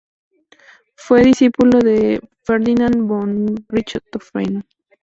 Fue discípulo de Ferdinand von Richthofen.